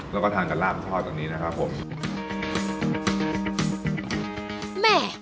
แล้วก็ทานกับลาบทอดตรงนี้นะครับผม